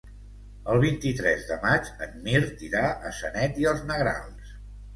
El vint-i-tres de maig en Mirt irà a Sanet i els Negrals.